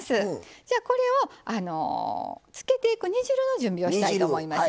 じゃあこれをつけていく煮汁の準備をしたいと思います。